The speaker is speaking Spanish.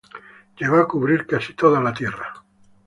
Llegó a cubrir casi toda la Tierra.